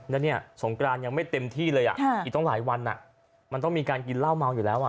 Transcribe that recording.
แล้วเนี่ยสงกรานยังไม่เต็มที่เลยอีกต้องหลายวันมันต้องมีการกินเหล้าเมาอยู่แล้ว